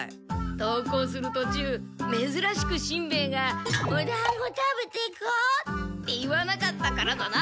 登校するとちゅうめずらしくしんべヱが「おだんご食べていこう」って言わなかったからだな。